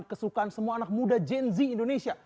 kesukaan semua anak muda gen z indonesia